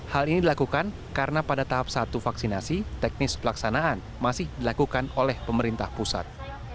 hal ini dilakukan karena pada tahap satu vaksinasi teknis pelaksanaan masih dilakukan oleh pemerintah pusat